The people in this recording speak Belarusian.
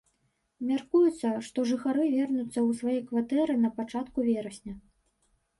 Мяркуецца, што жыхары вернуцца ў свае кватэры на пачатку верасня.